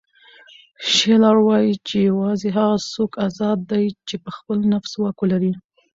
شیلر وایي چې یوازې هغه څوک ازاد دی چې په خپل نفس واک ولري.